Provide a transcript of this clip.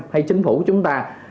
hay chính phủ chúng ta